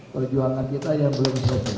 perjuangan kita yang belum selesai